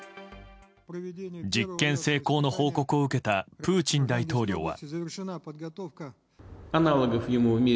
実験成功の報告を受けたプーチン大統領は。